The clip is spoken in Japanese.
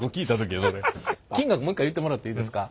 金額もう一回言ってもらっていいですか。